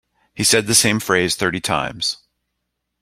He said the same phrase thirty times.